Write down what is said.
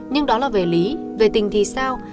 nhưng đó là về lý về tình thì sao